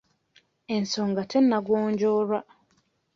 Ensonga tennagonjoolwa.